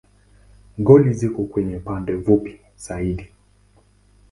Goli ziko kwenye pande fupi zaidi.